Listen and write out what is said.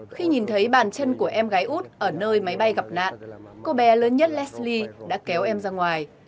khi nhìn thấy bàn chân của em gái út ở nơi máy bay gặp nạn cô bé lớn nhất lesli đã kéo em ra ngoài